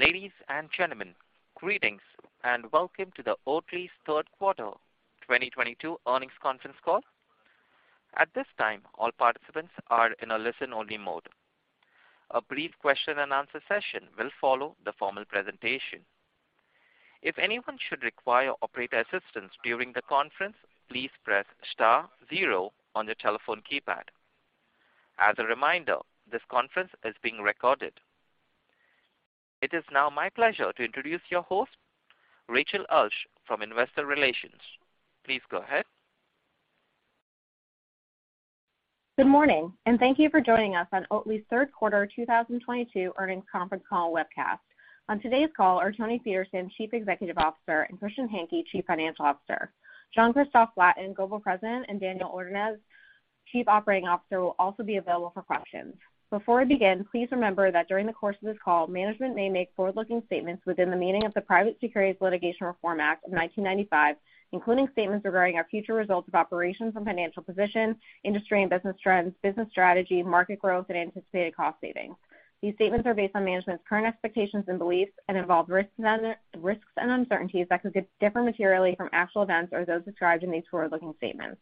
Ladies and gentlemen, greetings and welcome to Oatly's Q3 2022 earnings conference call. At this time, all participants are in a listen-only mode. A brief question and answer session will follow the formal presentation. If anyone should require operator assistance during the conference, please press star zero on your telephone keypad. As a reminder, this conference is being recorded. It is now my pleasure to introduce your host, Rachel Ulsh from Investor Relations. Please go ahead. Good morning, and thank you for joining us on Oatly's Q3 2022 earnings conference call webcast. On today's call are Toni Petersson, Chief Executive Officer, and Christian Hanke, Chief Financial Officer. Jean-Christophe Flatin, Global President, and Daniel Ordoñez, Chief Operating Officer, will also be available for questions. Before we begin, please remember that during the course of this call, management may make forward-looking statements within the meaning of the Private Securities Litigation Reform Act of 1995, including statements regarding our future results of operations and financial position, industry and business trends, business strategy, market growth, and anticipated cost savings. These statements are based on management's current expectations and beliefs and involve risks and uncertainties that could differ materially from actual events or those described in these forward-looking statements.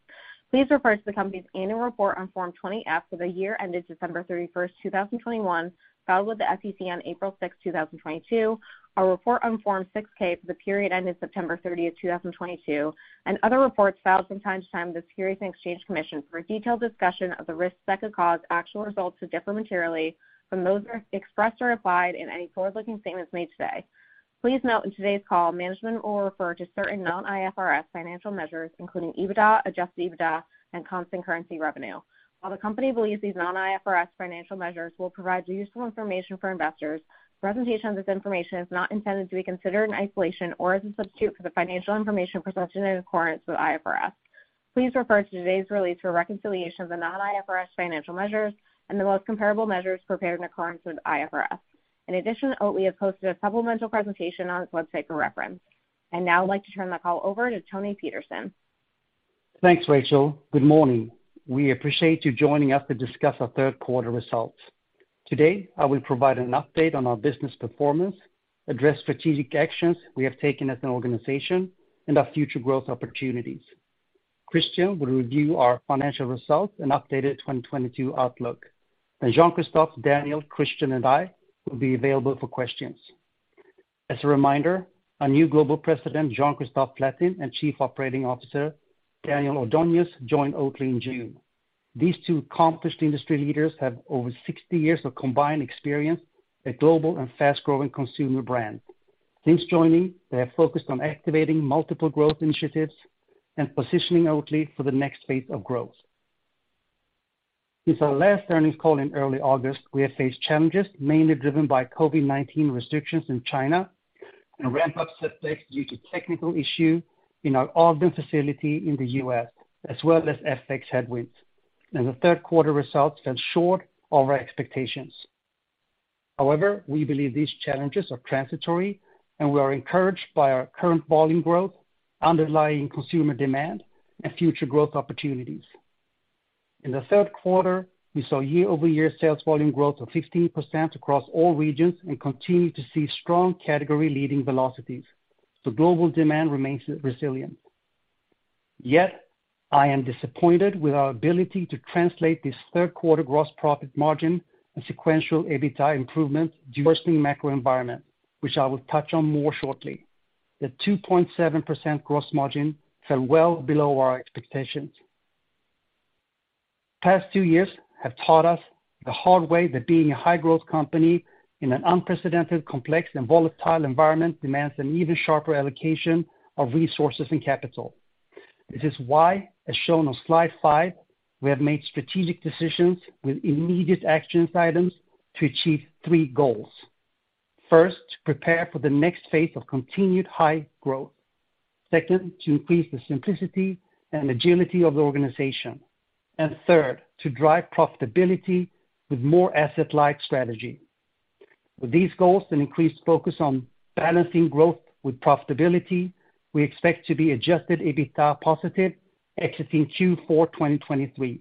Please refer to the company's annual report on Form 20-F for the year ended December 31, 2021, filed with the SEC on April 6, 2022. Our report on Form 6-K for the period ending September 30, 2022, and other reports filed from time to time with the Securities and Exchange Commission for a detailed discussion of the risks that could cause actual results to differ materially from those expressed or implied in any forward-looking statements made today. Please note in today's call, management will refer to certain non-IFRS financial measures, including EBITDA, adjusted EBITDA, and constant currency revenue. While the company believes these non-IFRS financial measures will provide useful information for investors, presentation of this information is not intended to be considered in isolation or as a substitute for the financial information presented in accordance with IFRS. Please refer to today's release for reconciliation of the non-IFRS financial measures and the most comparable measures prepared in accordance with IFRS. In addition, Oatly has posted a supplemental presentation on its website for reference. I now like to turn the call over to Toni Petersson. Thanks, Rachel. Good morning. We appreciate you joining us to discuss our Q3 results. Today, I will provide an update on our business performance, address strategic actions we have taken as an organization, and our future growth opportunities. Christian will review our financial results and updated 2022 outlook. Jean-Christophe, Daniel, Christian, and I will be available for questions. As a reminder, our new Global President, Jean-Christophe Flatin, and Chief Operating Officer, Daniel Ordoñez, joined Oatly in June. These two accomplished industry leaders have over 60 years of combined experience at global and fast-growing consumer brands. Since joining, they have focused on activating multiple growth initiatives and positioning Oatly for the next phase of growth. Since our last earnings call in early August, we have faced challenges mainly driven by COVID-19 restrictions in China and ramp-up setbacks due to technical issue in our Ogden facility in the U.S., as well as FX headwinds. The Q3 results fell short of our expectations. However, we believe these challenges are transitory, and we are encouraged by our current volume growth, underlying consumer demand, and future growth opportunities. In the Q3, we saw year-over-year sales volume growth of 15% across all regions and continue to see strong category-leading velocities. Global demand remains resilient. Yet, I am disappointed with our ability to translate this Q3 gross profit margin and sequential EBITDA improvement during the macro environment, which I will touch on more shortly. The 2.7% gross margin fell well below our expectations. Past two years have taught us the hard way that being a high-growth company in an unprecedented, complex, and volatile environment demands an even sharper allocation of resources and capital. This is why, as shown on slide 5, we have made strategic decisions with immediate action items to achieve three goals. First, to prepare for the next phase of continued high growth. Second, to increase the simplicity and agility of the organization. And third, to drive profitability with more asset-light strategy. With these goals and increased focus on balancing growth with profitability, we expect to be adjusted EBITDA positive exiting Q4 2023.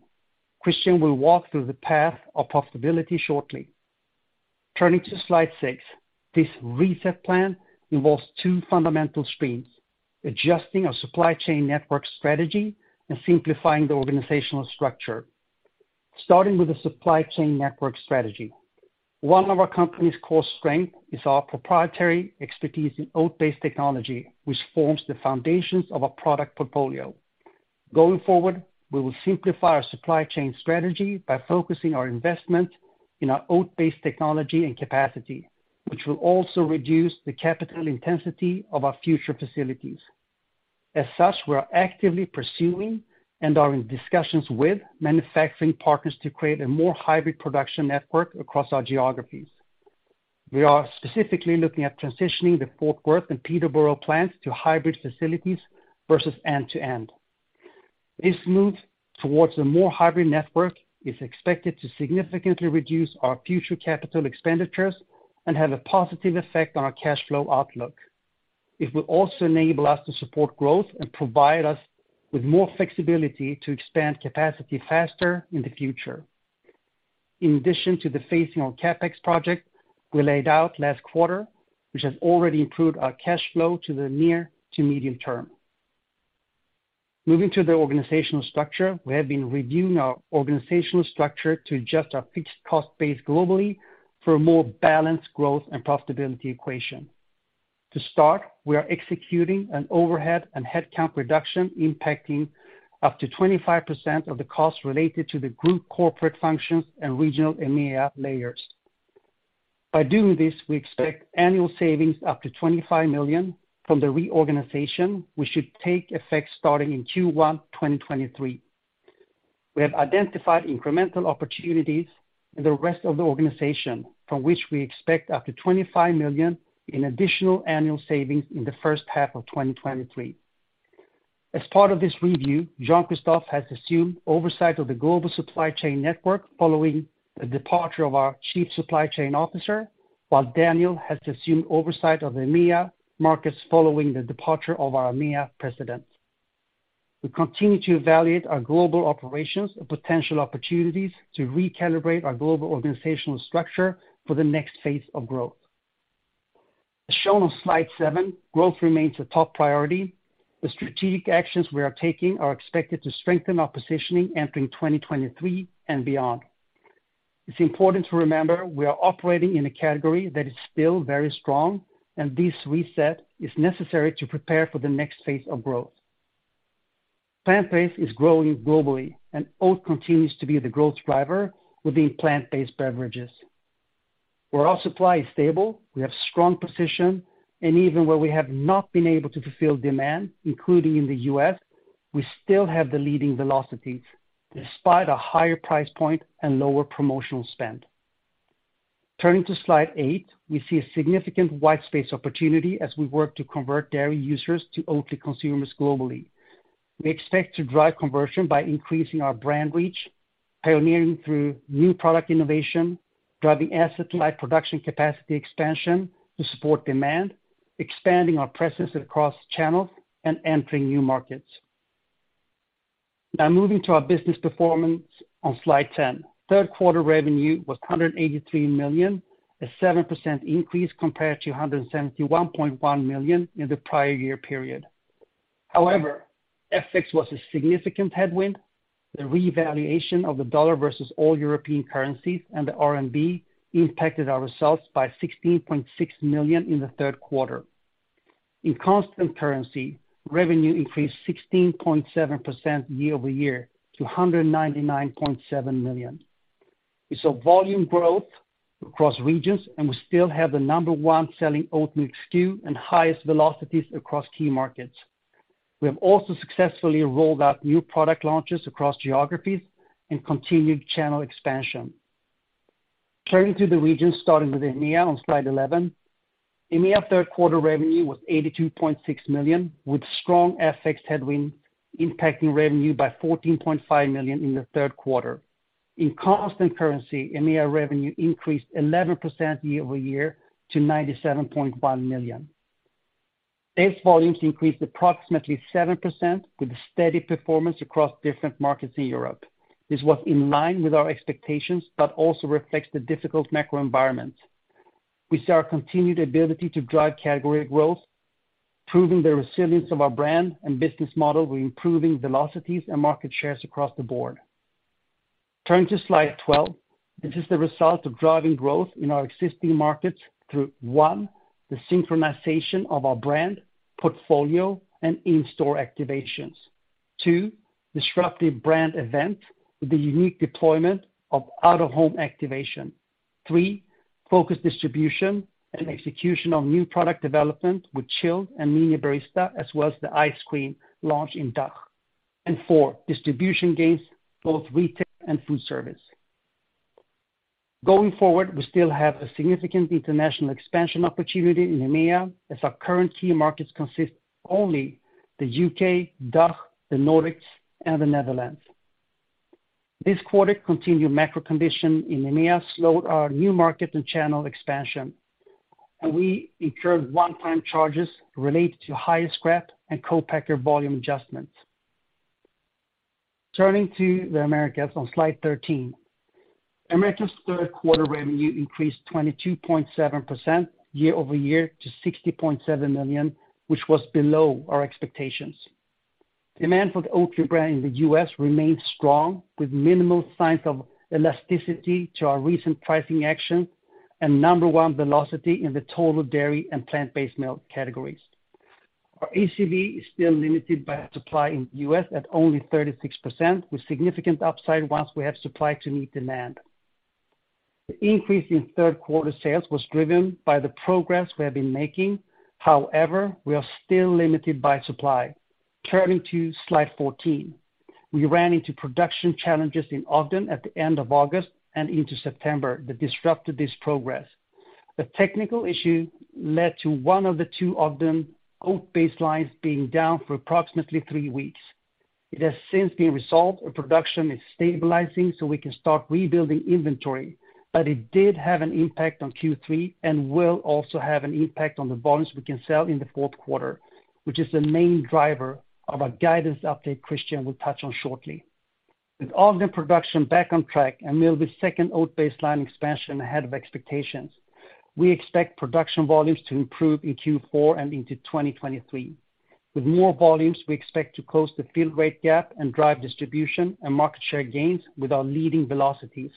Christian will walk through the path of profitability shortly. Turning to slide 6. This reset plan involves two fundamental streams, adjusting our supply chain network strategy and simplifying the organizational structure. Starting with the supply chain network strategy. One of our company's core strength is our proprietary expertise in oat-based technology, which forms the foundations of our product portfolio. Going forward, we will simplify our supply chain strategy by focusing our investment in our oat-based technology and capacity, which will also reduce the capital intensity of our future facilities. As such, we are actively pursuing and are in discussions with manufacturing partners to create a more hybrid production network across our geographies. We are specifically looking at transitioning the Fort Worth and Peterborough plants to hybrid facilities versus end-to-end. This move towards a more hybrid network is expected to significantly reduce our future capital expenditures and have a positive effect on our cash flow outlook. It will also enable us to support growth and provide us with more flexibility to expand capacity faster in the future. In addition to the phasing on CapEx project we laid out last quarter, which has already improved our cash flow to the near to medium term. Moving to the organizational structure, we have been reviewing our organizational structure to adjust our fixed cost base globally for a more balanced growth and profitability equation. To start, we are executing an overhead and headcount reduction impacting up to 25% of the costs related to the group corporate functions and regional EMEA layers. By doing this, we expect annual savings up to $ 25 million from the reorganization, which should take effect starting in Q1 2023. We have identified incremental opportunities in the rest of the organization, from which we expect up to $ 25 million in additional annual savings in the H1 of 2023. As part of this review, Jean-Christophe has assumed oversight of the global supply chain network following the departure of our Chief Supply Chain Officer, while Daniel Ordoñez has assumed oversight of the EMEA markets following the departure of our EMEA president. We continue to evaluate our global operations and potential opportunities to recalibrate our global organizational structure for the next phase of growth. As shown on slide 7, growth remains a top priority. The strategic actions we are taking are expected to strengthen our positioning entering 2023 and beyond. It's important to remember we are operating in a category that is still very strong, and this reset is necessary to prepare for the next phase of growth. Plant-based is growing globally, and oat continues to be the growth driver within plant-based beverages. Where our supply is stable, we have strong position, and even where we have not been able to fulfill demand, including in the U.S., we still have the leading velocities despite a higher price point and lower promotional spend. Turning to slide 8. We see a significant white space opportunity as we work to convert dairy users to Oatly consumers globally. We expect to drive conversion by increasing our brand reach, pioneering through new product innovation, driving asset light production capacity expansion to support demand, expanding our presence across channels, and entering new markets. Now moving to our business performance on slide 10. Q3 revenue was $183 million, a 7% increase compared to $171.1 million in the prior year period. However, FX was a significant headwind. The revaluation of the dollar versus all European currencies and the RMB impacted our results by 16.6 million in the Q3. In constant currency, revenue increased 16.7% year-over-year to 199.7 million. We saw volume growth across regions, and we still have the number one selling oat milk SKU and highest velocities across key markets. We have also successfully rolled out new product launches across geographies and continued channel expansion. Turning to the region, starting with EMEA on slide 11. EMEA Q3 revenue was 82.6 million, with strong FX headwind impacting revenue by 14.5 million in the Q3. In constant currency, EMEA revenue increased 11% year-over-year to 97.1 million. Sales volumes increased approximately 7% with a steady performance across different markets in Europe. This was in line with our expectations but also reflects the difficult macro environment. We see our continued ability to drive category growth, proving the resilience of our brand and business model. We're improving velocities and market shares across the board. Turning to slide 12. This is the result of driving growth in our existing markets through, 1, the synchronization of our brand, portfolio, and in-store activations. 2, disruptive brand event with the unique deployment of out-of-home activation. 3, focused distribution and execution on new product development with Chilled and Mini Barista, as well as the Ice Cream launch in DACH. And 4, distribution gains, both retail and food service. Going forward, we still have a significant international expansion opportunity in EMEA, as our current key markets consist only of the U.K., DACH, the Nordics, and the Netherlands. This quarter, continued macro condition in EMEA slowed our new market and channel expansion, and we incurred one-time charges related to higher scrap and co-packer volume adjustments. Turning to the Americas on slide 13. Americas Q3 revenue increased 22.7% year-over-year to 60.7 million, which was below our expectations. Demand for the Oatly brand in the U.S. remains strong, with minimal signs of elasticity to our recent pricing action and number one velocity in the total dairy and plant-based milk categories. Our ACV is still limited by supply in the U.S. at only 36%, with significant upside once we have supply to meet demand. The increase in Q3 sales was driven by the progress we have been making. However, we are still limited by supply. Turning to slide 14. We ran into production challenges in Ogden at the end of August and into September that disrupted this progress. A technical issue led to one of the two Ogden oat base lines being down for approximately 3 weeks. It has since been resolved and production is stabilizing so we can start rebuilding inventory, but it did have an impact on Q3 and will also have an impact on the volumes we can sell in the Q4, which is the main driver of our guidance update Christian will touch on shortly. With Ogden production back on track and Millville's second oat-based line expansion ahead of expectations, we expect production volumes to improve in Q4 and into 2023. With more volumes, we expect to close the fill rate gap and drive distribution and market share gains with our leading velocities.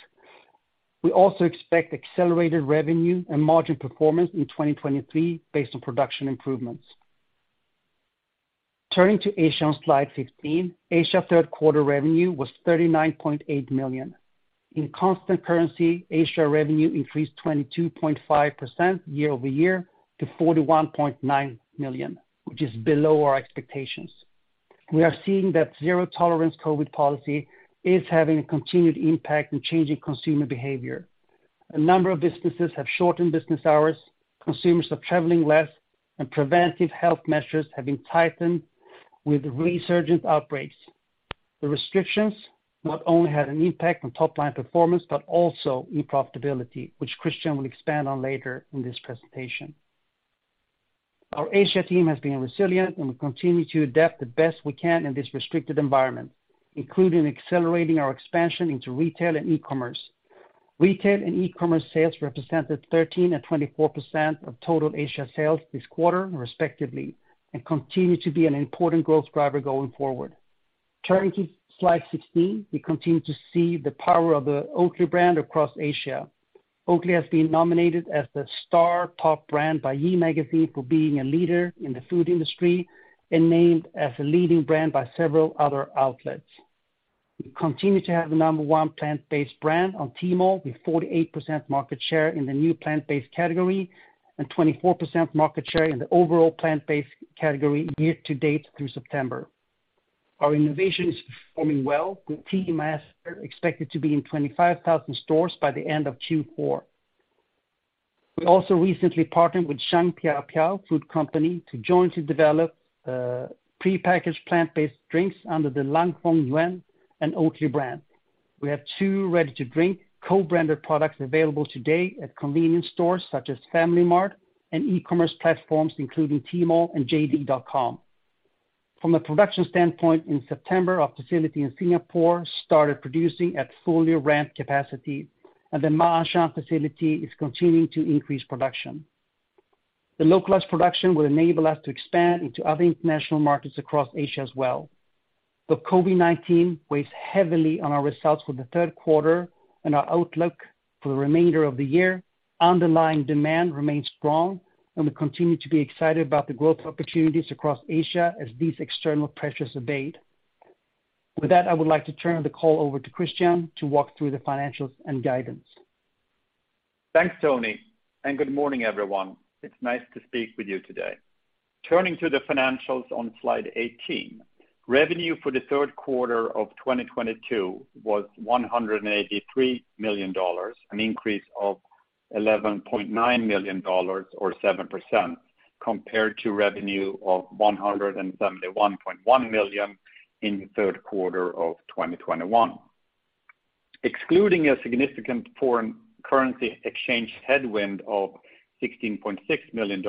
We also expect accelerated revenue and margin performance in 2023 based on production improvements. Turning to Asia on slide 15. Asia Q3 revenue was 39.8 million. In constant currency, Asia revenue increased 22.5% year-over-year to 41.9 million, which is below our expectations. We are seeing that zero-tolerance COVID policy is having a continued impact in changing consumer behavior. A number of businesses have shortened business hours, consumers are traveling less, and preventive health measures have been tightened with resurgent outbreaks. The restrictions not only had an impact on top line performance, but also in profitability, which Christian will expand on later in this presentation. Our Asia team has been resilient, and we continue to adapt the best we can in this restricted environment, including accelerating our expansion into retail and e-commerce. Retail and e-commerce sales represented 13% and 24% of total Asia sales this quarter, respectively, and continue to be an important growth driver going forward. Turning to slide 16. We continue to see the power of the Oatly brand across Asia. Oatly has been nominated as the star top brand by Yicai for being a leader in the food industry and named as a leading brand by several other outlets. We continue to have the number one plant-based brand on Tmall, with 48% market share in the new plant-based category and 24% market share in the overall plant-based category year to date through September. Our innovation is performing well, with Tea-Master expected to be in 25,000 stores by the end of Q4. We also recently partnered with Xiangpiaopiao Food Co., Ltd to jointly develop prepackaged plant-based drinks under the Lan Fong Yuen and Oatly brand. We have 2 ready-to-drink co-branded products available today at convenience stores such as FamilyMart and e-commerce platforms, including Tmall and JD.com. From a production standpoint, in September, our facility in Singapore started producing at fully ramped capacity, and the Ma'anshan facility is continuing to increase production. The localized production will enable us to expand into other international markets across Asia as well. COVID-19 weighs heavily on our results for the Q3 and our outlook for the remainder of the year. Underlying demand remains strong, and we continue to be excited about the growth opportunities across Asia as these external pressures abate. With that, I would like to turn the call over to Christian to walk through the financials and guidance. Thanks, Toni, and good morning, everyone. It's nice to speak with you today. Turning to the financials on slide 18, revenue for the Q3 of 2022 was $183 million, an increase of $11.9 million or 7% compared to revenue of $171.1 million in the Q3 of 2021. Excluding a significant foreign currency exchange headwind of $16.6 million,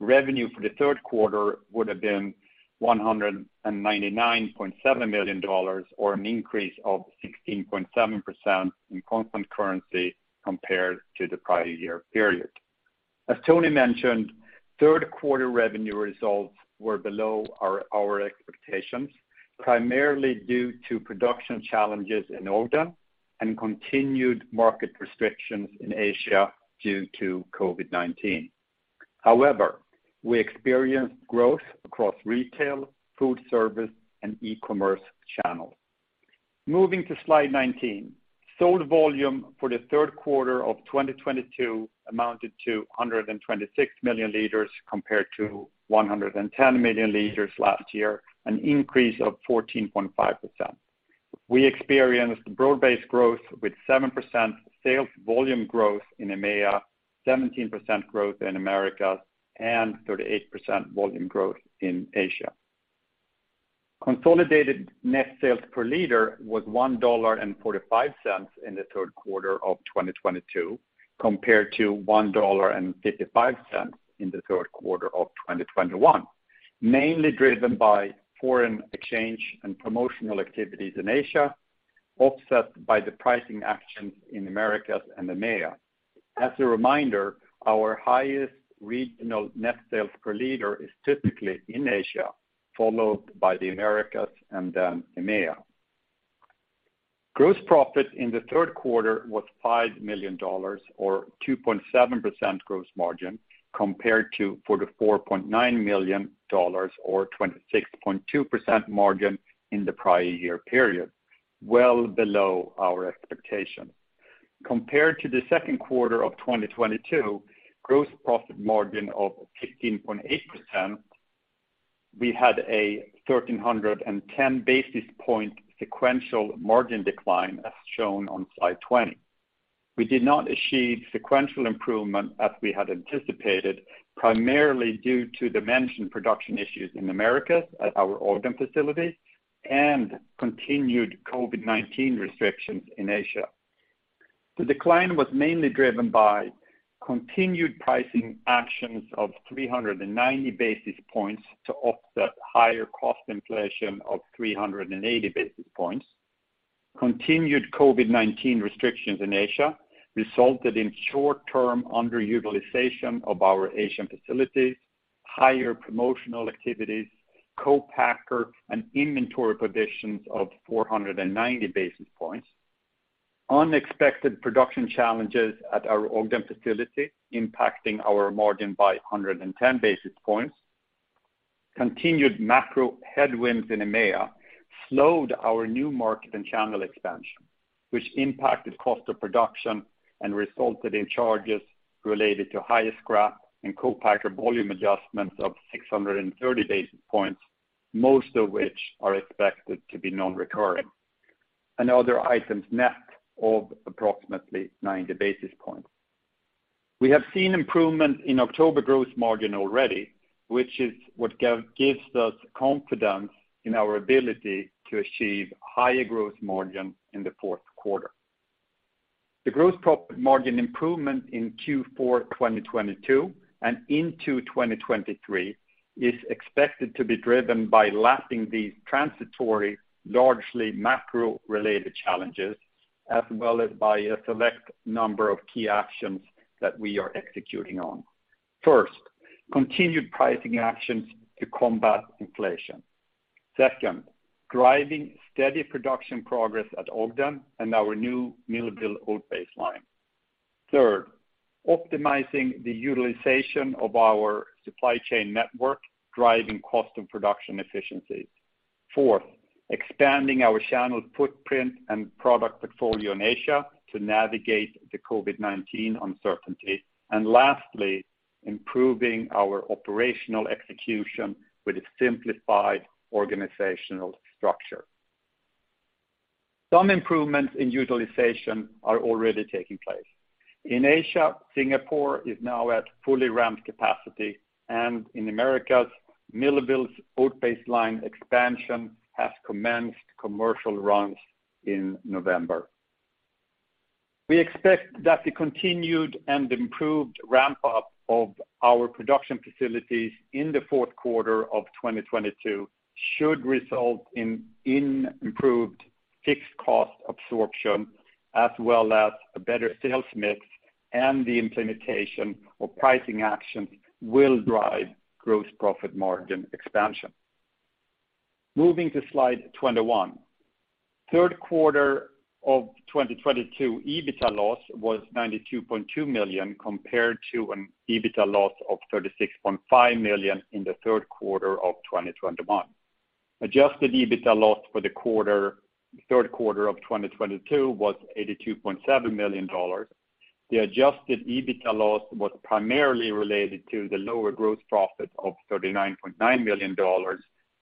revenue for the Q3 would have been $199.7 million, or an increase of 16.7% in constant currency compared to the prior year period. As Toni mentioned, Q3 revenue results were below our expectations, primarily due to production challenges in Ogden and continued market restrictions in Asia due to COVID-19. However, we experienced growth across retail, food service, and e-commerce channels. Moving to slide 19. Sold volume for the Q3 of 2022 amounted to 126 million liters compared to 110 million liters last year, an increase of 14.5%. We experienced broad-based growth with 7% sales volume growth in EMEA, 17% growth in Americas, and 38% volume growth in Asia. Consolidated net sales per liter was $1.45 in the Q3 of 2022, compared to $1.55 in the Q3 of 2021, mainly driven by foreign exchange and promotional activities in Asia, offset by the pricing actions in Americas and EMEA. As a reminder, our highest regional net sales per liter is typically in Asia, followed by the Americas and then EMEA. Gross profit in the Q3 was $5 million or 2.7% gross margin, compared to $44.9 million or 26.2% margin in the prior year period, well below our expectations. Compared to the Q2 of 2022, gross profit margin of 15.8%, we had a 1,310 basis point sequential margin decline as shown on slide 20. We did not achieve sequential improvement as we had anticipated, primarily due to the mentioned production issues in Americas at our Ogden facility and continued COVID-19 restrictions in Asia. The decline was mainly driven by continued pricing actions of 390 basis points to offset higher cost inflation of 380 basis points. Continued COVID-19 restrictions in Asia resulted in short-term underutilization of our Asian facilities, higher promotional activities, co-packer, and inventory positions of 490 basis points. Unexpected production challenges at our Ogden facility impacting our margin by 110 basis points. Continued macro headwinds in EMEA slowed our new market and channel expansion, which impacted cost of production and resulted in charges related to higher scrap and co-packer volume adjustments of 630 basis points, most of which are expected to be non-recurring, and other items net of approximately 90 basis points. We have seen improvement in October gross margin already, which is what gives us confidence in our ability to achieve higher gross margin in the Q4. The gross profit margin improvement in Q4 2022 and into 2023 is expected to be driven by lapping these transitory, largely macro-related challenges, as well as by a select number of key actions that we are executing on. First, continued pricing actions to combat inflation. Second, driving steady production progress at Ogden and our new Millville oat-based line. Third, optimizing the utilization of our supply chain network, driving cost and production efficiencies. Fourth, expanding our channel footprint and product portfolio in Asia to navigate the COVID-19 uncertainty. Lastly, improving our operational execution with a simplified organizational structure. Some improvements in utilization are already taking place. In Asia, Singapore is now at fully ramped capacity, and in Americas, Millville's oat-based line expansion has commenced commercial runs in November. We expect that the continued and improved ramp-up of our production facilities in the Q4 of 2022 should result in improved fixed cost absorption, as well as a better sales mix, and the implementation of pricing actions will drive gross profit margin expansion. Moving to slide 21. Q3 of 2022, EBITDA loss was $92.2 million, compared to an EBITDA loss of $36.5 million in the Q3 of 2021. Adjusted EBITDA loss for the quarter, Q3 of 2022 was $82.7 million. The adjusted EBITDA loss was primarily related to the lower gross profit of $39.9 million,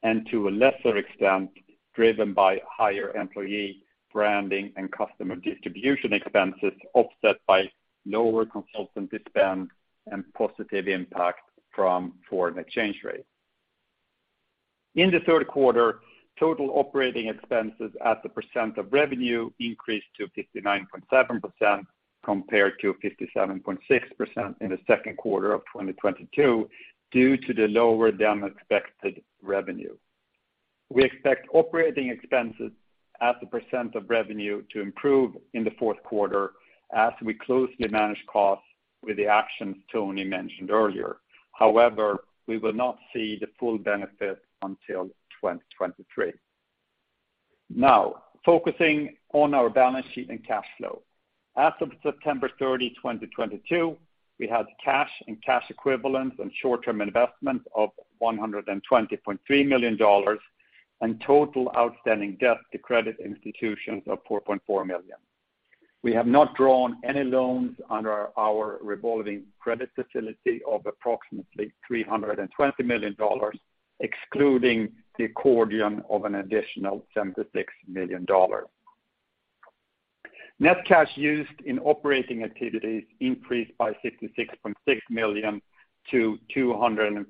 and to a lesser extent, driven by higher employee branding and customer distribution expenses, offset by lower consultancy spend and positive impact from foreign exchange rates. In the Q3, total operating expenses as a percent of revenue increased to 59.7% compared to 57.6% in the Q2 of 2022 due to the lower than expected revenue. We expect operating expenses as a percent of revenue to improve in the Q4 as we closely manage costs with the actions Toni mentioned earlier. However, we will not see the full benefit until 2023. Now, focusing on our balance sheet and cash flow. As of September 30, 2022, we had cash and cash equivalents and short-term investments of $120.3 million, and total outstanding debt to credit institutions of $4.4 million. We have not drawn any loans under our revolving credit facility of approximately $320 million, excluding the accordion of an additional $76 million. Net cash used in operating activities increased by $66.6 million to $215.2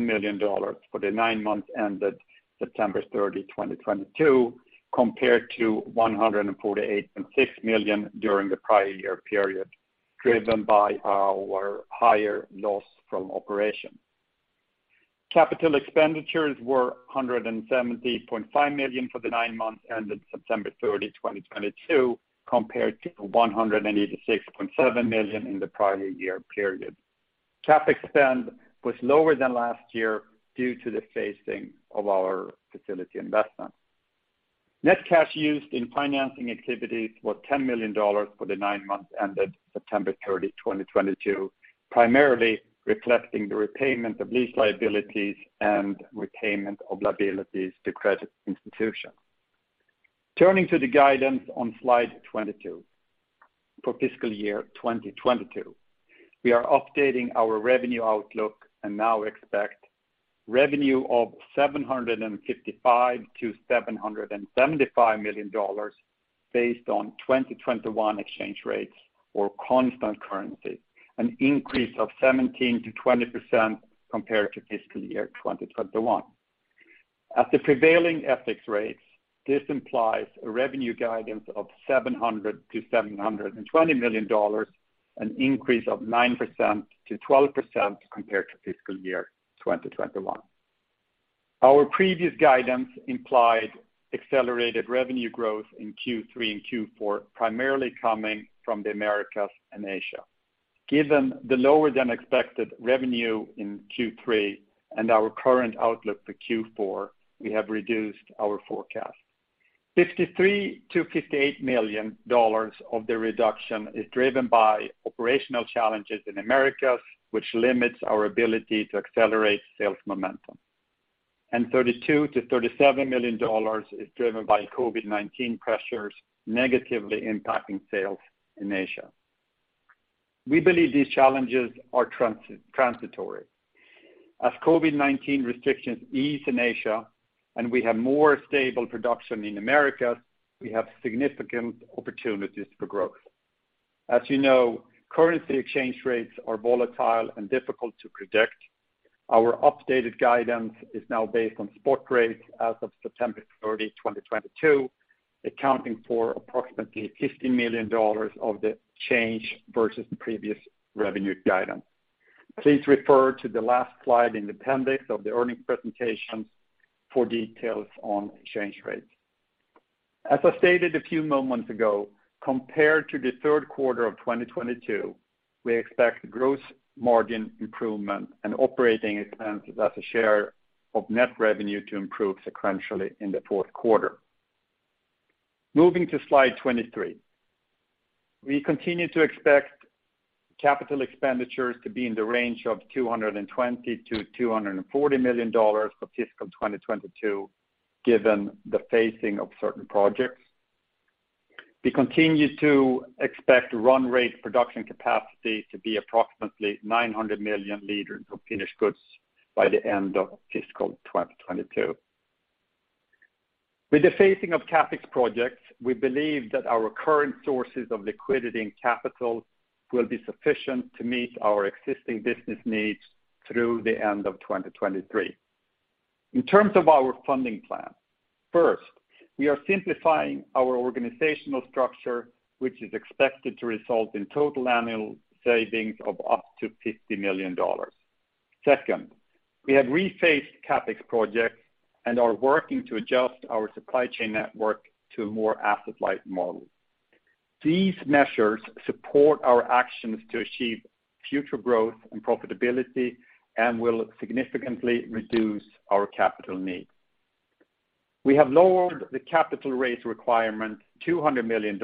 million for the nine months ended September 30, 2022, compared to $148.6 million during the prior year period, driven by our higher loss from operations. Capital expenditures were $170.5 million for the nine months ended September 30, 2022, compared to $186.7 million in the prior year period. Cap spend was lower than last year due to the phasing of our facility investment. Net cash used in financing activities was $10 million for the nine months ended September 30, 2022, primarily reflecting the repayment of lease liabilities and repayment of liabilities to credit institutions. Turning to the guidance on slide 22 for FY 2022. We are updating our revenue outlook and now expect revenue of $755 million-$775 million based on 2021 exchange rates or constant currency, an increase of 17%-20% compared to FY 2021. At the prevailing FX rates, this implies a revenue guidance of $700 million-$720 million, an increase of 9%-12% compared to fiscal year 2021. Our previous guidance implied accelerated revenue growth in Q3 and Q4, primarily coming from the Americas and Asia. Given the lower than expected revenue in Q3 and our current outlook for Q4, we have reduced our forecast. $53 million-$58 million of the reduction is driven by operational challenges in Americas, which limits our ability to accelerate sales momentum. $32 million- $37 million is driven by COVID-19 pressures negatively impacting sales in Asia. We believe these challenges are transitory. As COVID-19 restrictions ease in Asia and we have more stable production in America, we have significant opportunities for growth. As you know, currency exchange rates are volatile and difficult to predict. Our updated guidance is now based on spot rates as of September 30, 2022, accounting for approximately $50 million of the change versus the previous revenue guidance. Please refer to the last slide in the appendix of the earnings presentation for details on exchange rates. As I stated a few moments ago, compared to the Q3 of 2022, we expect gross margin improvement and operating expenses as a share of net revenue to improve sequentially in the Q4. Moving to slide 23. We continue to expect capital expenditures to be in the range of $220 million-$240 million for fiscal 2022, given the phasing of certain projects. We continue to expect run rate production capacity to be approximately 900 million liters of finished goods by the end of fiscal 2022. With the phasing of CapEx projects, we believe that our current sources of liquidity and capital will be sufficient to meet our existing business needs through the end of 2023. In terms of our funding plan, first, we are simplifying our organizational structure, which is expected to result in total annual savings of up to $50 million. Second, we have rephased CapEx projects and are working to adjust our supply chain network to a more asset-light model. These measures support our actions to achieve future growth and profitability and will significantly reduce our capital needs. We have lowered the capital raise requirement $200 million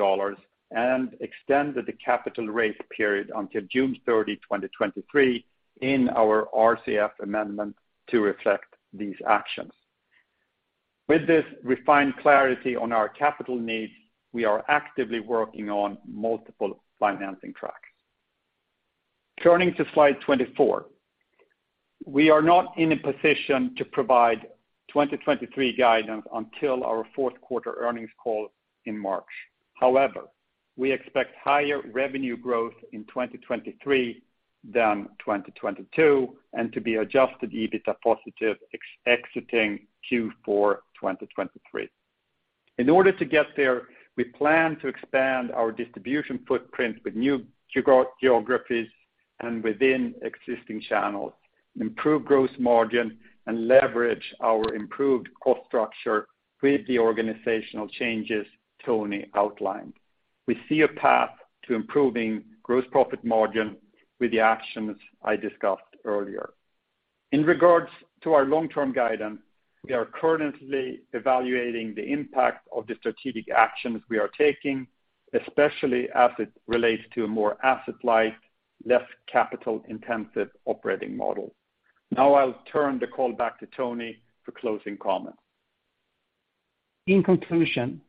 and extended the capital raise period until June 30, 2023 in our RCF amendment to reflect these actions. With this refined clarity on our capital needs, we are actively working on multiple financing tracks. Turning to slide 24. We are not in a position to provide 2023 guidance until our Q4 earnings call in March. However, we expect higher revenue growth in 2023 than 2022 and to be adjusted EBITDA positive exiting Q4 2023. In order to get there, we plan to expand our distribution footprint with new geographies and within existing channels, improve gross margin, and leverage our improved cost structure with the organizational changes Toni outlined. We see a path to improving gross profit margin with the actions I discussed earlier. In regards to our long-term guidance, we are currently evaluating the impact of the strategic actions we are taking, especially as it relates to a more asset-light, less capital-intensive operating model. Now I'll turn the call back to Toni for closing comments. In conclusion,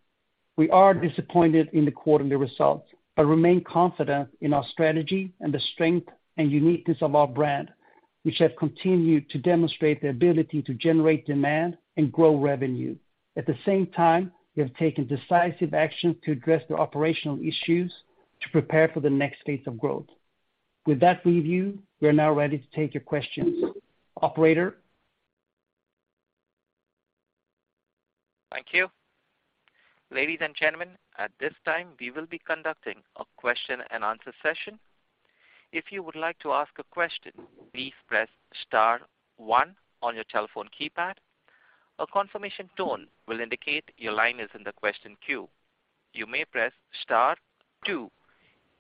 we are disappointed in the quarterly results, but remain confident in our strategy and the strength and uniqueness of our brand, which have continued to demonstrate the ability to generate demand and grow revenue. At the same time, we have taken decisive action to address the operational issues to prepare for the next phase of growth. With that review, we are now ready to take your questions. Operator? Thank you. Ladies and gentlemen, at this time, we will be conducting a question and answer session. If you would like to ask a question, please press star one on your telephone keypad. A confirmation tone will indicate your line is in the question queue. You may press star two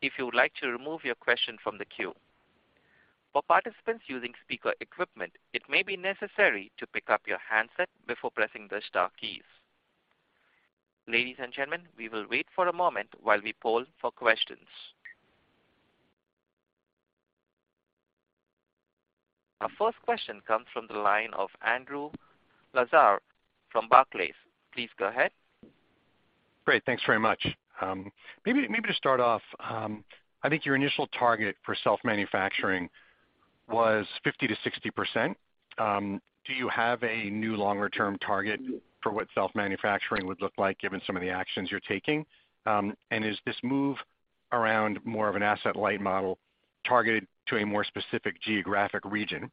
if you would like to remove your question from the queue. For participants using speaker equipment, it may be necessary to pick up your handset before pressing the star keys. Ladies and gentlemen, we will wait for a moment while we poll for questions. Our first question comes from the line of Andrew Lazar from Barclays. Please go ahead. Great. Thanks very much. Maybe to start off, I think your initial target for self-manufacturing was 50%-60%. Do you have a new longer-term target for what self-manufacturing would look like given some of the actions you're taking? Is this move around more of an asset-light model targeted to a more specific geographic region?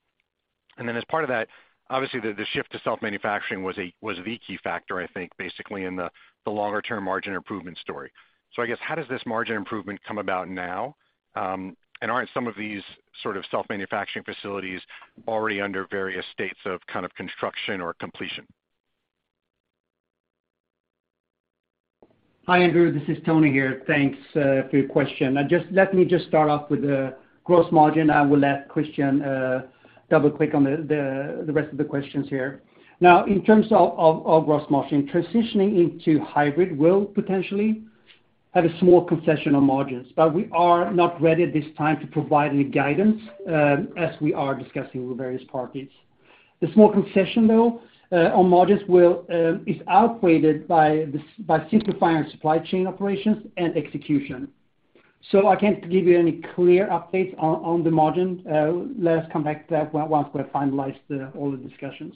Then as part of that, obviously the shift to self-manufacturing was the key factor, I think, basically in the longer-term margin improvement story. I guess how does this margin improvement come about now? Aren't some of these sort of self-manufacturing facilities already under various states of kind of construction or completion? Hi, Andrew. This is Toni here. Thanks for your question. Now let me start off with the gross margin. I will let Christian double-click on the rest of the questions here. Now, in terms of gross margin, transitioning into hybrid will potentially have a small concession on margins, but we are not ready at this time to provide any guidance as we are discussing with various parties. The small concession though on margins is outweighed by simplifying supply chain operations and execution. I can't give you any clear updates on the margin. Let us come back to that once we have finalized all the discussions.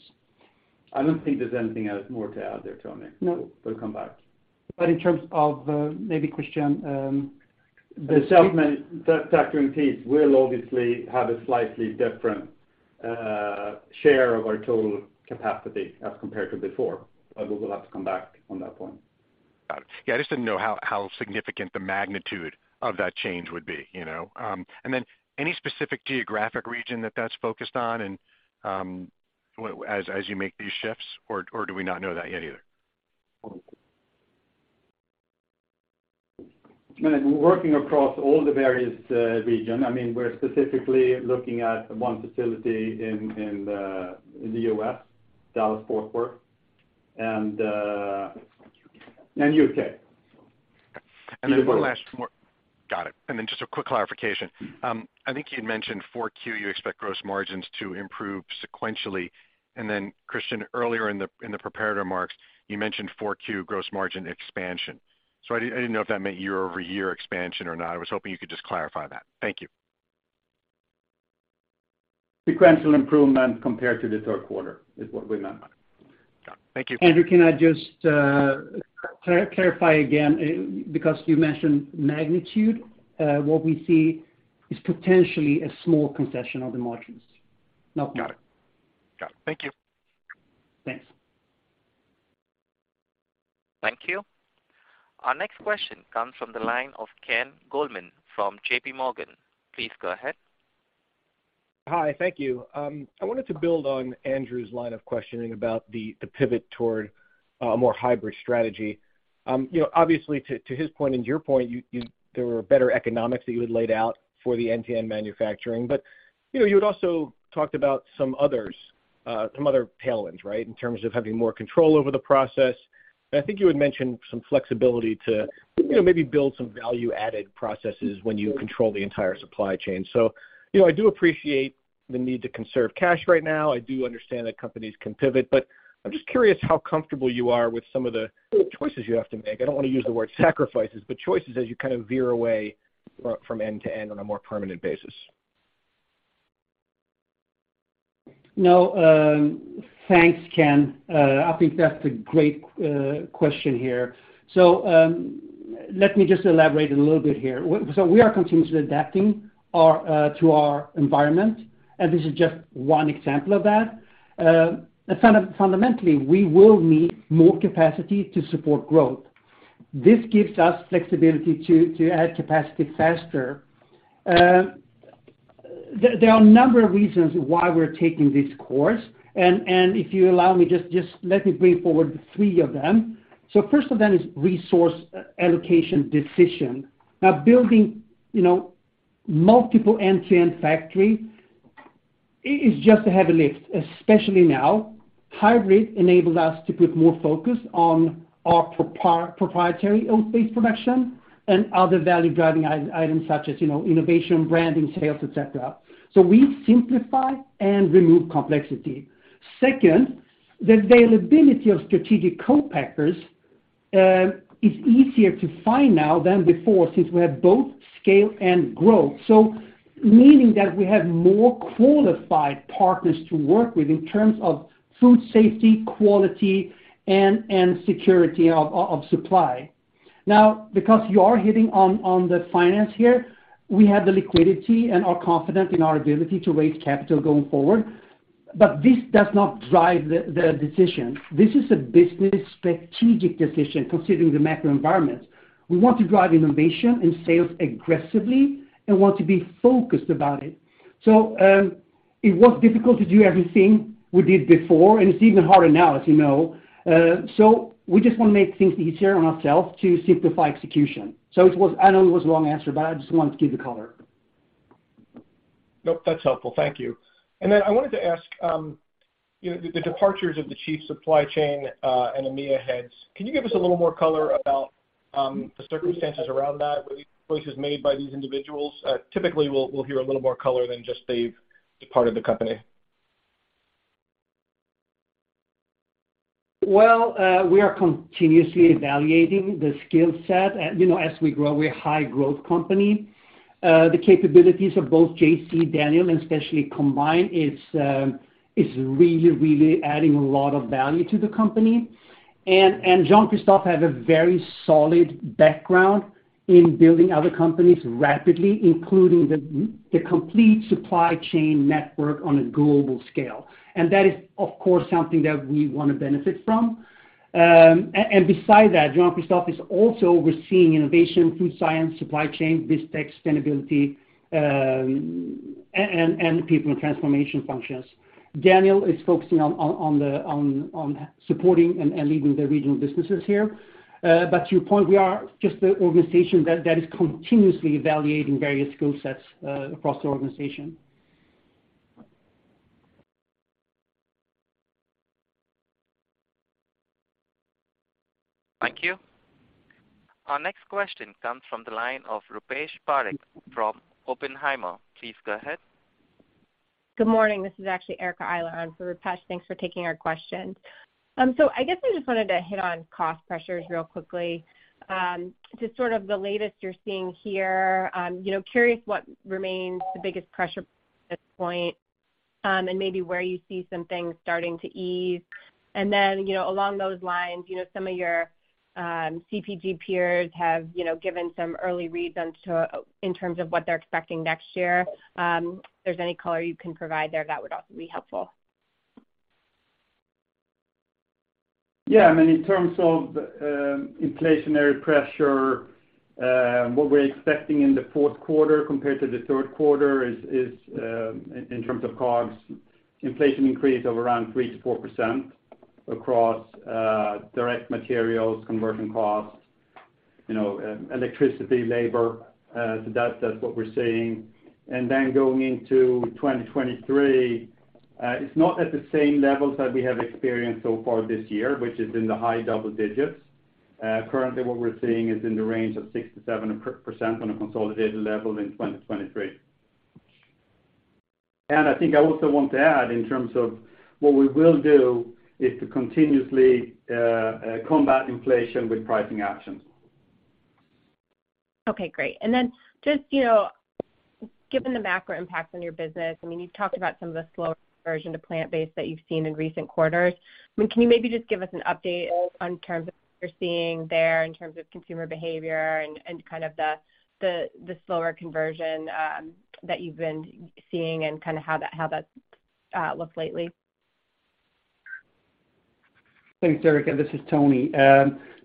I don't think there's anything else more to add there, Toni. No. We'll come back. In terms of, maybe Christian, The factoring piece will obviously have a slightly different share of our total capacity as compared to before, but we will have to come back on that point. Got it. Yeah, I just didn't know how significant the magnitude of that change would be, you know? Then any specific geographic region that that's focused on and, as you make these shifts, or do we not know that yet either? I mean, working across all the various region. I mean, we're specifically looking at one facility in the U.S., Dallas-Fort Worth, and U.K. Okay. U.K. as well. Got it. Just a quick clarification. I think you'd mentioned Q4, you expect gross margins to improve sequentially. Christian, earlier in the prepared remarks, you mentioned Q4 gross margin expansion. I didn't know if that meant year-over-year expansion or not. I was hoping you could just clarify that. Thank you. Sequential improvement compared to the Q3 is what we meant. Got it. Thank you. Andrew, can I just clarify again, because you mentioned magnitude, what we see is potentially a small concession of the margins. Knock on wood. Got it. Thank you. Thanks. Thank you. Our next question comes from the line of Ken Goldman from JPMorgan. Please go ahead. Hi, thank you. I wanted to build on Andrew's line of questioning about the pivot toward a more hybrid strategy. You know, obviously to his point and your point, there were better economics that you had laid out for the end-to-end manufacturing. You know, you had also talked about some other tailwinds, right? In terms of having more control over the process. I think you had mentioned some flexibility to, you know, maybe build some value-added processes when you control the entire supply chain. You know, I do appreciate the need to conserve cash right now. I do understand that companies can pivot, but I'm just curious how comfortable you are with some of the choices you have to make. I don't want to use the word sacrifices, but choices as you kind of veer away from end to end on a more permanent basis. No, thanks, Ken. I think that's a great question here. Let me just elaborate a little bit here. We are continuously adapting to our environment, and this is just one example of that. Fundamentally, we will need more capacity to support growth. This gives us flexibility to add capacity faster. There are a number of reasons why we're taking this course, and if you allow me, just let me bring forward three of them. First of them is resource allocation decision. Now, building, you know, multiple end-to-end factories is just a heavy lift, especially now. Hybrid enables us to put more focus on our proprietary oat-based production and other value-driving items such as, you know, innovation, branding, sales, et cetera. We simplify and remove complexity. Second, the availability of strategic co-packers is easier to find now than before, since we have both scale and growth. Meaning that we have more qualified partners to work with in terms of food safety, quality, and security of supply. Now, because you are hitting on the finance here, we have the liquidity and are confident in our ability to raise capital going forward. This does not drive the decision. This is a business strategic decision considering the macro environment. We want to drive innovation and sales aggressively and want to be focused about it. It was difficult to do everything we did before, and it's even harder now, as you know. We just want to make things easier on ourselves to simplify execution. It was. I know it was a long answer, but I just wanted to give the color. Nope, that's helpful. Thank you. I wanted to ask, You know, the departures of the Chief Supply Chain and EMEA heads, can you give us a little more color about the circumstances around that, were these choices made by these individuals? Typically, we'll hear a little more color than just they've departed the company. Well, we are continuously evaluating the skill set. You know, as we grow, we're a high growth company. The capabilities of both JC, Daniel, and especially combined is really adding a lot of value to the company. Jean-Christophe have a very solid background in building other companies rapidly, including the complete supply chain network on a global scale. That is, of course, something that we wanna benefit from. And besides that, Jean-Christophe is also overseeing innovation, food science, supply chain, BizTech, sustainability, and people and transformation functions. Daniel is focusing on supporting and leading the regional businesses here. But to your point, we are just the organization that is continuously evaluating various skill sets across the organization. Thank you. Our next question comes from the line of Rupesh Parikh from Oppenheimer. Please go ahead. Good morning. This is actually Erica Eiler on for Rupesh. Thanks for taking our question. So I guess I just wanted to hit on cost pressures real quickly. Just sort of the latest you're seeing here, you know, curious what remains the biggest pressure at this point, and maybe where you see some things starting to ease. Then, you know, along those lines, you know, some of your CPG peers have, you know, given some early reads in terms of what they're expecting next year. If there's any color you can provide there, that would also be helpful. Yeah. I mean, in terms of inflationary pressure, what we're expecting in the Q4 compared to the Q3 is in terms of COGS, inflation increase of around 3%-4% across direct materials, conversion costs, you know, electricity, labor, so that's what we're seeing. Then going into 2023, it's not at the same levels that we have experienced so far this year, which is in the high double digits. Currently, what we're seeing is in the range of 6%-7% on a consolidated level in 2023. I think I also want to add in terms of what we will do is to continuously combat inflation with pricing actions. Okay, great. Just, you know, given the macro impact on your business, I mean, you've talked about some of the slower conversion to plant-based that you've seen in recent quarters. I mean, can you maybe just give us an update in terms of what you're seeing there in terms of consumer behavior and kind of the slower conversion that you've been seeing and kinda how that looks lately? Thanks, Erica. This is Toni.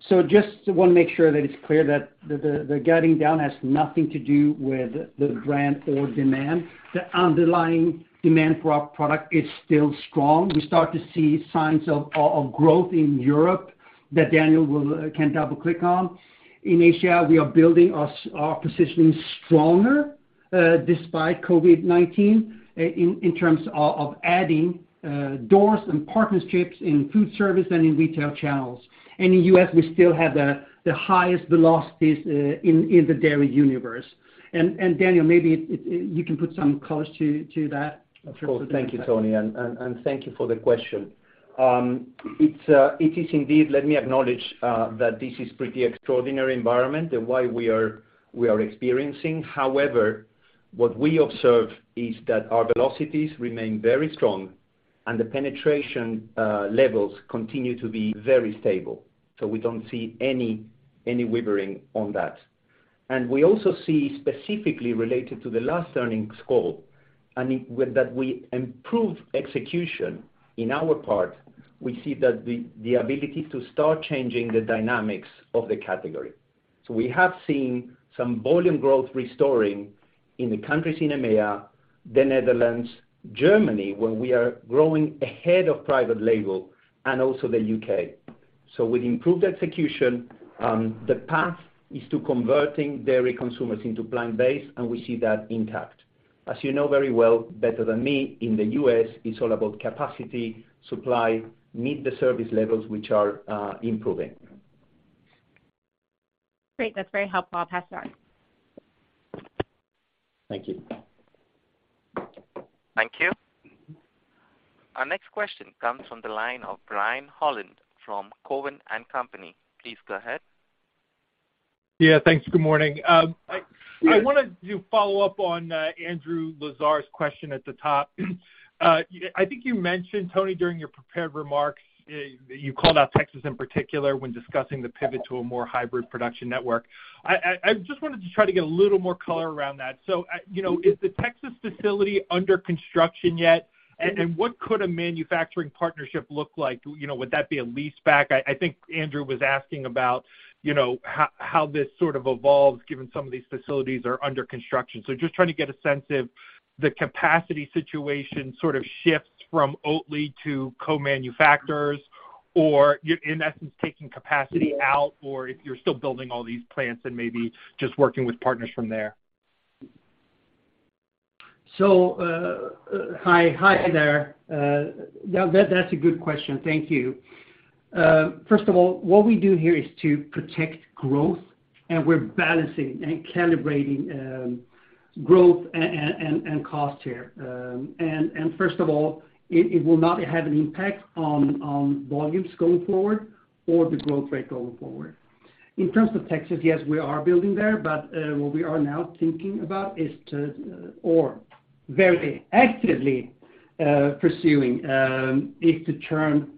So just wanna make sure that it's clear that the guidance down has nothing to do with the brand or demand. The underlying demand for our product is still strong. We start to see signs of growth in Europe that Daniel can double-click on. In Asia, we are building our positioning stronger despite COVID-19 in terms of adding doors and partnerships in food service and in retail channels. In U.S., we still have the highest velocities in the dairy universe. Daniel, maybe you can put some color to that. Of course. Thank you, Toni, and thank you for the question. It is indeed, let me acknowledge, that this is pretty extraordinary environment and why we are experiencing. However, what we observe is that our velocities remain very strong and the penetration levels continue to be very stable. We don't see any wavering on that. We also see specifically related to the last earnings call, with that we improve execution on our part, we see that the ability to start changing the dynamics of the category. We have seen some volume growth restoring in the countries in EMEA, the Netherlands, Germany, where we are growing ahead of private label and also the U.K.. With improved execution, the path is to converting dairy consumers into plant-based, and we see that intact. As you know very well, better than me, in the U.S., it's all about capacity, supply, meet the service levels which are improving. Great. That's very helpful. I'll pass it on. Thank you. Thank you. Our next question comes from the line of Brian Holland from Cowen and Company. Please go ahead. Yeah, thanks. Good morning. Yeah. I wanted to follow up on Andrew Lazar's question at the top. I think you mentioned, Toni, during your prepared remarks, you called out Texas in particular when discussing the pivot to a more hybrid production network. I just wanted to try to get a little more color around that. You know, is the Texas facility under construction yet? And what could a manufacturing partnership look like? You know, would that be a leaseback? I think Andrew was asking about, you know, how this sort of evolves given some of these facilities are under construction. Just trying to get a sense of the capacity situation sort of shifts from Oatly to co-manufacturers, or you're in essence taking capacity out, or if you're still building all these plants and maybe just working with partners from there. Hi there. Yeah, that's a good question. Thank you. First of all, what we do here is to protect growth, and we're balancing and calibrating growth and cost here. First of all, it will not have an impact on volumes going forward or the growth rate going forward. In terms of Texas, yes, we are building there, but what we are now thinking about or very actively pursuing is to turn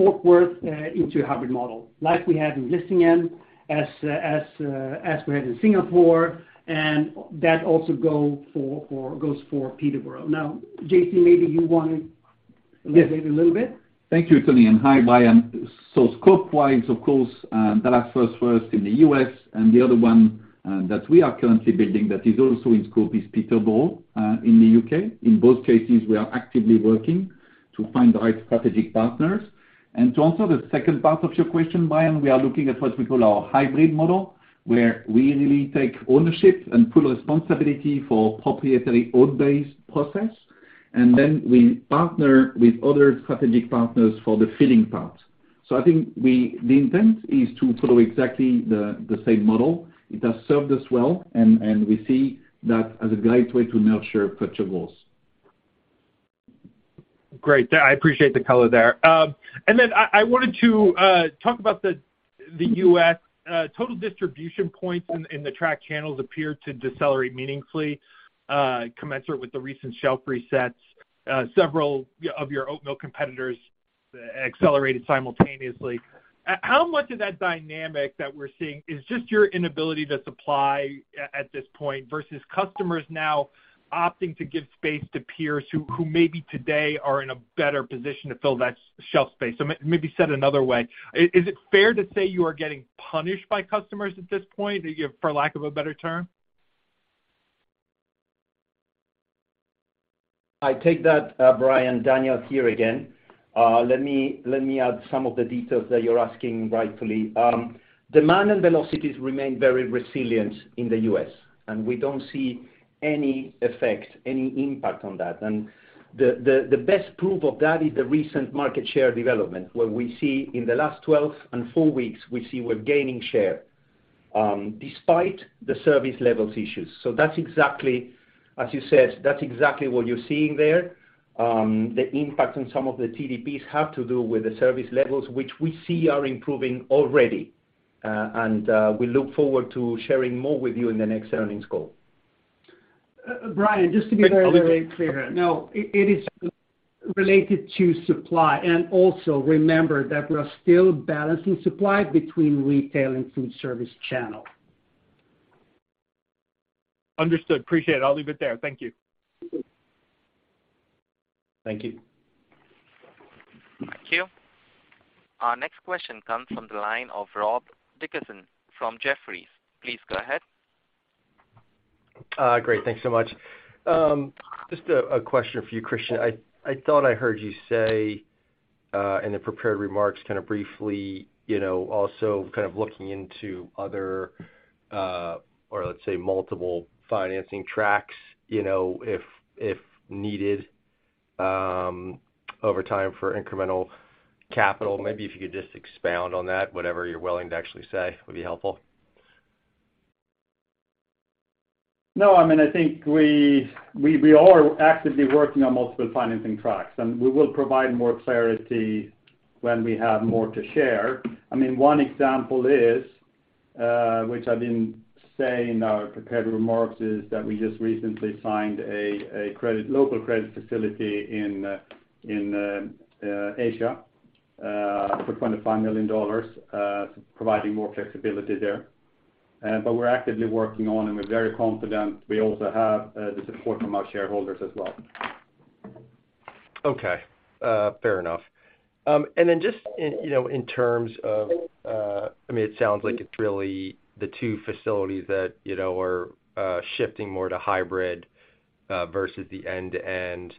Fort Worth into a hybrid model like we have in Vlissingen as we have in Singapore, and that also goes for Peterborough. Now, JC, maybe you want to elaborate a little bit. Yes. Thank you, Toni, and hi, Brian. Scope-wise, of course, Dallas-Fort Worth in the U.S. And the other one that we are currently building that is also in scope is Peterborough in the UK. In both cases, we are actively working to find the right strategic partners. To answer the second part of your question, Brian, we are looking at what we call our hybrid model, where we really take ownership and full responsibility for proprietary oat-based process, and then we partner with other strategic partners for the filling part. I think the intent is to follow exactly the same model. It has served us well, and we see that as a gateway to now share future goals. Great. I appreciate the color there. Then I wanted to talk about the U.S. total distribution points in the tracked channels appear to decelerate meaningfully, commensurate with the recent shelf resets. Several of your oat milk competitors accelerated simultaneously. How much of that dynamic we're seeing is just your inability to supply at this point versus customers now opting to give space to peers who maybe today are in a better position to fill that shelf space? Maybe said another way, is it fair to say you are getting punished by customers at this point for lack of a better term? I take that, Brian. Daniel here again. Let me add some of the details that you're asking rightfully. Demand and velocities remain very resilient in the U.S., and we don't see any effect, any impact on that. The best proof of that is the recent market share development, where we see in the last 12 and 4 weeks, we see we're gaining share, despite the service levels issues. That's exactly, as you said, that's exactly what you're seeing there. The impact on some of the TDPs have to do with the service levels, which we see are improving already. We look forward to sharing more with you in the next earnings call. Brian, just to be very, very clear. No, it is related to supply. Also remember that we are still balancing supply between retail and food service channel. Understood. Appreciate it. I'll leave it there. Thank you. Thank you. Thank you. Our next question comes from the line of Rob Dickerson from Jefferies. Please go ahead. Great. Thanks so much. Just a question for you, Christian. I thought I heard you say, in the prepared remarks, kind of briefly, you know, also kind of looking into other, or let's say, multiple financing tracks, you know, if needed, over time for incremental capital. Maybe if you could just expound on that, whatever you're willing to actually say would be helpful. No, I mean, I think we are actively working on multiple financing tracks, and we will provide more clarity when we have more to share. I mean, one example is, which I didn't say in our prepared remarks, is that we just recently signed a local credit facility in Asia for $25 million, providing more flexibility there. But we're actively working on, and we're very confident. We also have the support from our shareholders as well. Okay. Fair enough. Just in, you know, in terms of, I mean, it sounds like it's really the two facilities that, you know, are shifting more to hybrid versus the end-to-end.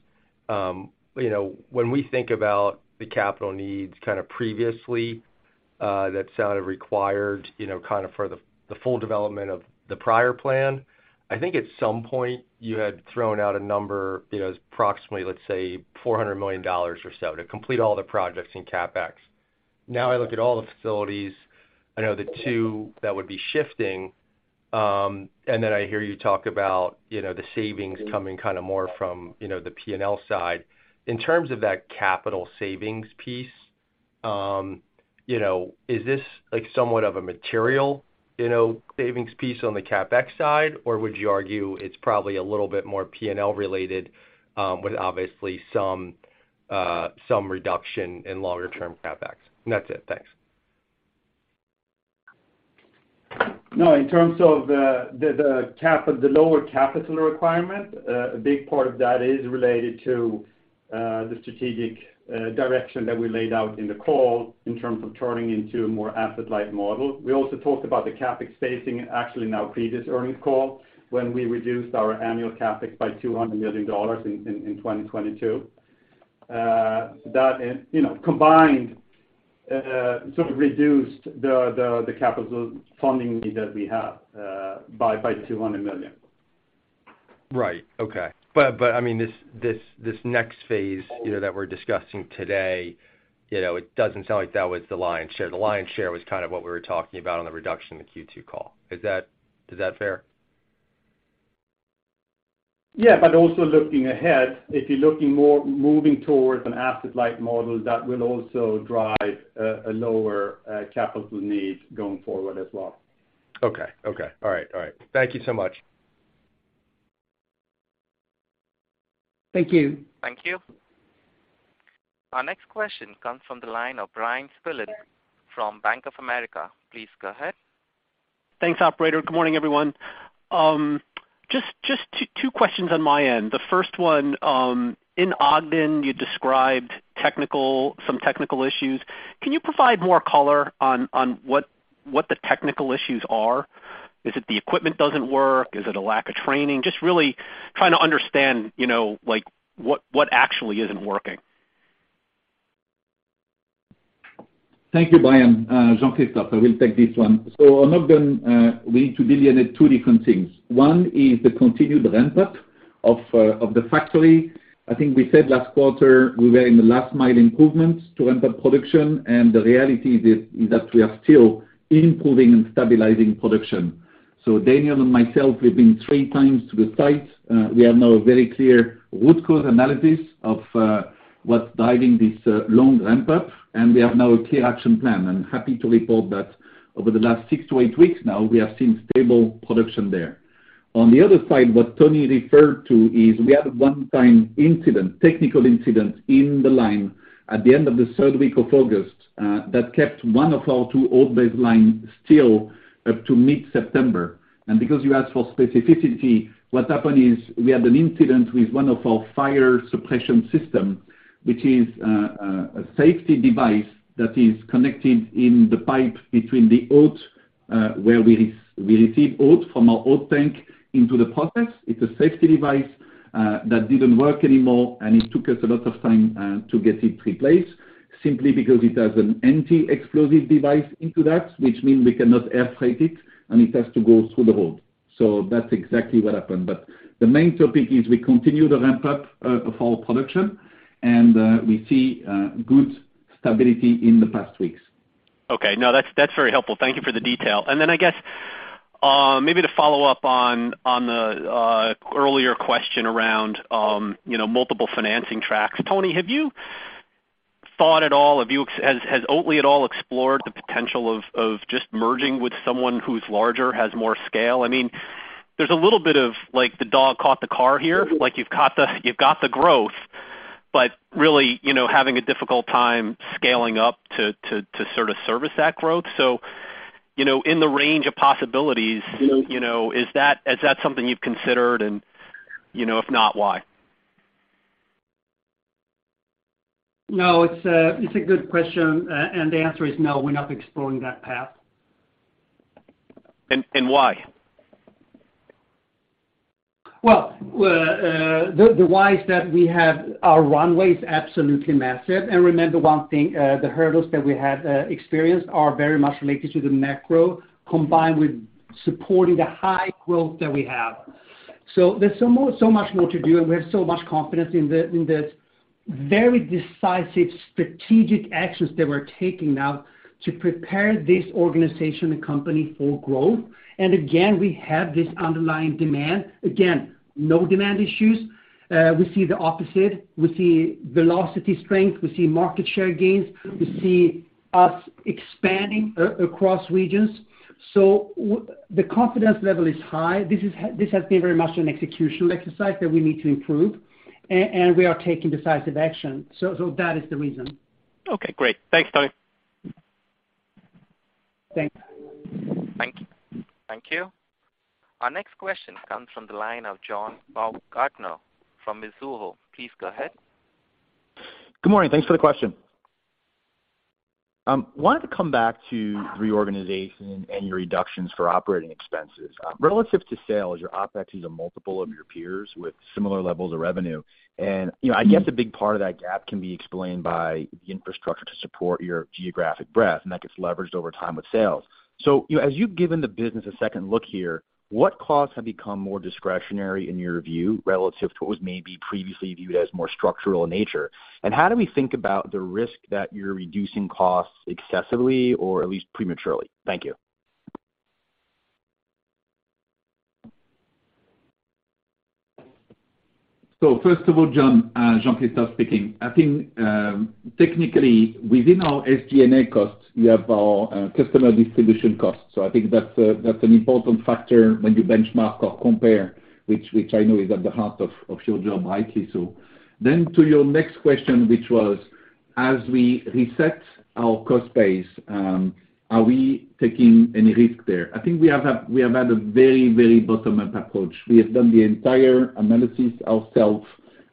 You know, when we think about the capital needs kind of previously, that sounded required, you know, kind of for the full development of the prior plan. I think at some point you had thrown out a number, you know, approximately, let's say, SEK 400 million or so to complete all the projects in CapEx. Now I look at all the facilities, I know the two that would be shifting, and then I hear you talk about, you know, the savings coming kind of more from, you know, the P&L side. In terms of that capital savings piece, you know, is this like somewhat of a material, you know, savings piece on the CapEx side? Or would you argue it's probably a little bit more P&L related, with obviously some reduction in longer term CapEx? That's it. Thanks. No. In terms of the cap on the lower capital requirement, a big part of that is related to the strategic direction that we laid out in the call in terms of turning into a more asset-light model. We also talked about the CapEx spacing actually in our previous earnings call when we reduced our annual CapEx by $200 million in 2022. That and, you know, combined Sort of reduced the capital funding need that we have by 200 million. Right. Okay. I mean, this next phase, you know, that we're discussing today, you know, it doesn't sound like that was the lion's share. The lion's share was kind of what we were talking about on the reduction in the Q2 call. Is that fair? Yeah, also looking ahead, if you're looking more moving towards an asset-light model, that will also drive a lower capital need going forward as well. Okay. All right. Thank you so much. Thank you. Thank you. Our next question comes from the line of Bryan Spillane from Bank of America. Please go ahead. Thanks, operator. Good morning, everyone. Just two questions on my end. The first one, in Ogden, you described some technical issues. Can you provide more color on what the technical issues are? Is it the equipment doesn't work? Is it a lack of training? Just really trying to understand, you know, like, what actually isn't working. Thank you, Brian. Jean-Christophe, I will take this one. On Ogden, we need to delineate two different things. One is the continued ramp-up of the factory. I think we said last quarter, we were in the last mile improvements to ramp up production, and the reality is that we are still improving and stabilizing production. Daniel and myself, we've been 3x to the site. We have now a very clear root cause analysis of what's driving this long ramp-up, and we have now a clear action plan. I'm happy to report that over the last 6-8 weeks now, we have seen stable production there. On the other side, what Toni referred to is we had a one-time incident, technical incident in the line at the end of the third week of August that kept one of our two oat-based lines still up to mid-September. Because you asked for specificity, what happened is we had an incident with one of our fire suppression system, which is a safety device that is connected in the pipe between the oat where we receive oat from our oat tank into the process. It's a safety device that didn't work anymore, and it took us a lot of time to get it replaced simply because it has an anti-explosive device into that, which means we cannot air freight it, and it has to go through the hood. That's exactly what happened. The main topic is we continue to ramp up our production, and we see good stability in the past weeks. Okay. No, that's very helpful. Thank you for the detail. I guess maybe to follow up on the earlier question around you know multiple financing tracks. Toni, has Oatly at all explored the potential of just merging with someone who's larger, has more scale? I mean, there's a little bit of like the dog caught the car here. You've got the growth, but really, you know, having a difficult time scaling up to sort of service that growth. You know, in the range of possibilities. Mm-hmm. You know, is that something you've considered? You know, if not, why? No, it's a good question, and the answer is no, we're not exploring that path. Why? Well, the why is that we have our runway is absolutely massive. Remember one thing, the hurdles that we have experienced are very much related to the macro, combined with supporting the high growth that we have. There's so much more to do, and we have so much confidence in the very decisive strategic actions that we're taking now to prepare this organization and company for growth. Again, we have this underlying demand. Again, no demand issues. We see the opposite. We see velocity strength. We see market share gains. We see us expanding across regions. The confidence level is high. This has been very much an execution exercise that we need to improve. And we are taking decisive action. That is the reason. Okay, great. Thanks, Toni. Thanks. Thank you. Thank you. Our next question comes from the line of John Baumgartner from Mizuho. Please go ahead. Good morning. Thanks for the question. Wanted to come back to reorganization and your reductions for operating expenses. Relative to sales, your OpEx is a multiple of your peers with similar levels of revenue. You know, I guess a big part of that gap can be explained by the infrastructure to support your geographic breadth, and that gets leveraged over time with sales. You know, as you've given the business a second look here, what costs have become more discretionary in your view relative to what was maybe previously viewed as more structural in nature? How do we think about the risk that you're reducing costs excessively or at least prematurely? Thank you. First of all, John, Jean-Christophe speaking. I think, technically, within our SG&A costs, we have our customer distribution costs. I think that's an important factor when you benchmark or compare, which I know is at the heart of your job, rightly so. To your next question, which was, as we reset our cost base, are we taking any risk there? I think we have had a very bottom-up approach. We have done the entire analysis ourselves,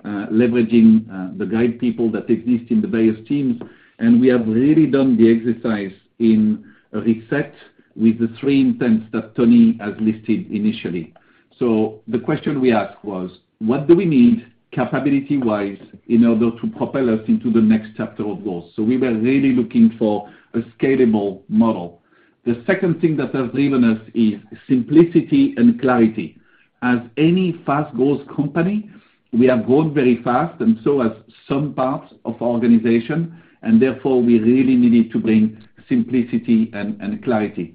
leveraging the guide people that exist in the various teams, and we have really done the exercise in reset with the three intents that Toni has listed initially. The question we asked was, what do we need capability-wise in order to propel us into the next chapter of growth? We were really looking for a scalable model. The second thing that has driven us is simplicity and clarity. As any fast growth company, we have grown very fast and so has some parts of our organization, and therefore we really needed to bring simplicity and clarity.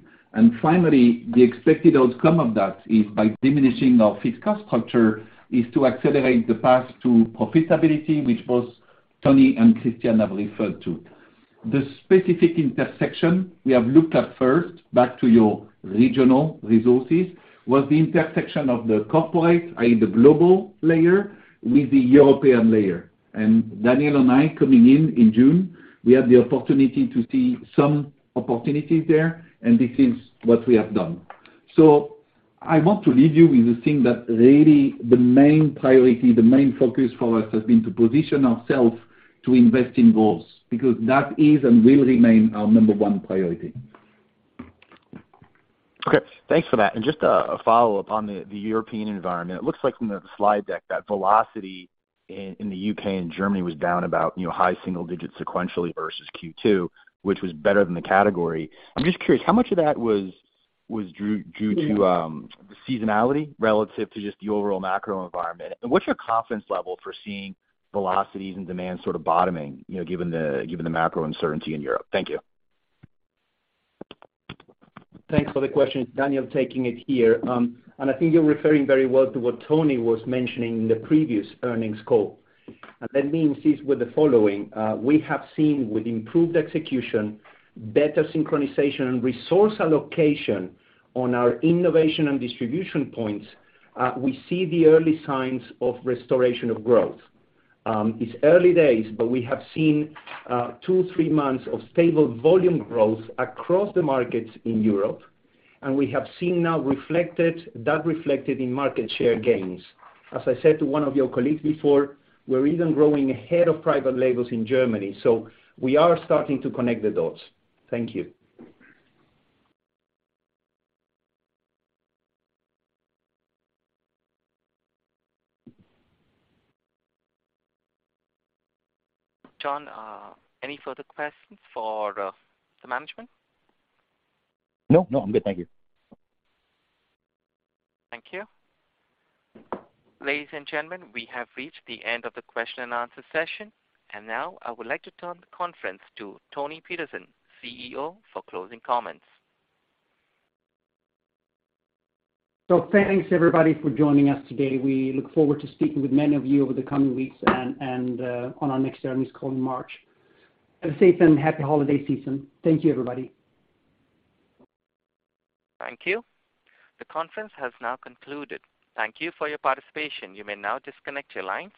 Finally, the expected outcome of that is by diminishing our fixed cost structure is to accelerate the path to profitability, which both Toni and Christian have referred to. The specific intersection we have looked at first, back to your regional resources, was the intersection of the corporate, i.e., the global layer with the European layer. Daniel and I coming in in June, we had the opportunity to see some opportunities there, and this is what we have done. I want to leave you with the thing that really the main priority, the main focus for us has been to position ourselves to invest in goals, because that is and will remain our number one priority. Okay, thanks for that. Just a follow-up on the European environment. It looks like from the slide deck that velocity in the U.K. and Germany was down about, you know, high single digits sequentially versus Q2, which was better than the category. I'm just curious, how much of that was due to the seasonality relative to just the overall macro environment? What's your confidence level for seeing velocities and demand sort of bottoming, you know, given the macro uncertainty in Europe? Thank you. Thanks for the question. Daniel taking it here. I think you're referring very well to what Toni was mentioning in the previous earnings call. Let me insist with the following, we have seen with improved execution, better synchronization and resource allocation on our innovation and distribution points, we see the early signs of restoration of growth. It's early days, but we have seen 2, 3 months of stable volume growth across the markets in Europe, and we have seen that now reflected in market share gains. As I said to one of your colleagues before, we're even growing ahead of private labels in Germany. We are starting to connect the dots. Thank you. John, any further questions for the management? No, no, I'm good. Thank you. Thank you. Ladies and gentlemen, we have reached the end of the question and answer session. Now I would like to turn the conference to Toni Petersson, CEO, for closing comments. Thanks everybody for joining us today. We look forward to speaking with many of you over the coming weeks and on our next earnings call in March. Have a safe and happy holiday season. Thank you, everybody. Thank you. The conference has now concluded. Thank you for your participation. You may now disconnect your lines.